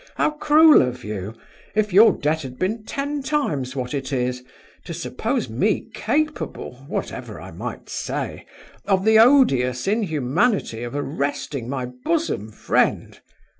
How cruel of you, if your debt had been ten times what it is, to suppose me capable (whatever I might say) of the odious inhumanity of arresting my bosom friend!